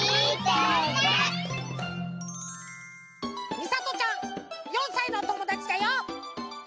みさとちゃん４さいのおともだちだよ。